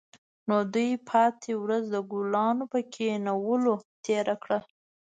نو دوی پاتې ورځ د ګلانو په کینولو تیره کړه